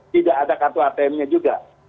tidak ada kartu atm nya juga